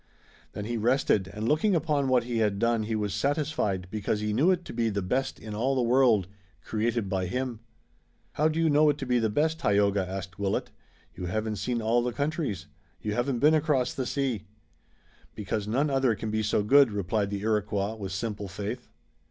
Then he rested and looking upon what he had done he was satisfied because he knew it to be the best in all the world, created by him." "How do you know it to be the best, Tayoga?" asked Willet. "You haven't seen all the countries. You haven't been across the sea." "Because none other can be so good," replied the Iroquois with simple faith.